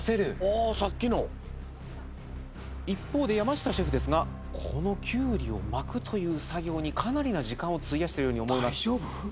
ああーさっきの一方で山下シェフですがこのきゅうりを巻くという作業にかなりな時間を費やしてるように思います大丈夫？